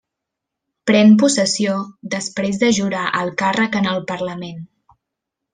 Pren possessió després de jurar el càrrec en el Parlament.